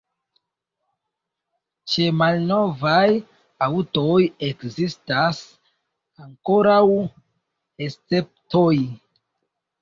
Ĉe malnovaj aŭtoj ekzistas ankoraŭ esceptoj.